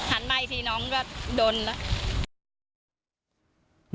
หันใม่ทีน้องก็โดนละ